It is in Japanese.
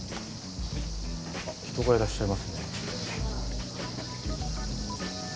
あっ人がいらっしゃいますね。